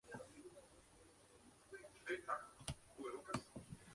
El mensaje es uno de los aspectos más importantes de una campaña política.